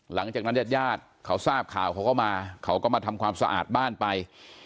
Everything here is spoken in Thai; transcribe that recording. ญาติญาติเขาทราบข่าวเขาก็มาเขาก็มาทำความสะอาดบ้านไป